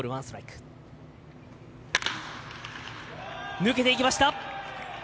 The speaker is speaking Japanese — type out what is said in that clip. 抜けていきました。